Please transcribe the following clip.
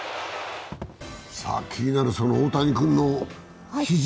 気になる大谷君の肘。